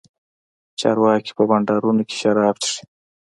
چارواکي په بنډارونو کښې شراب چښي.